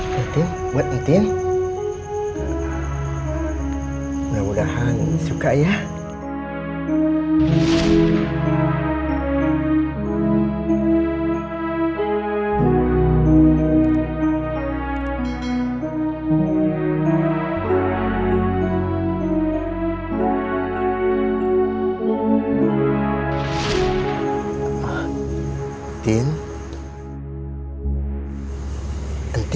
ketika kita masya allah mencari